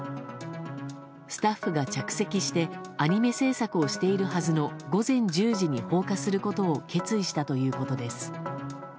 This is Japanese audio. スタッフが着席してアニメ制作をしているはずの午前１０時に放火することを決意したということです。